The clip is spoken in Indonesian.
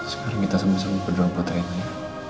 sekarang kita sama sama berdoa buat reina ya